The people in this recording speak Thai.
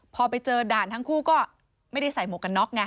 พอไปเจอด่านทั้งคู่ก็ไม่ได้ใส่หมวกกันน็อกไง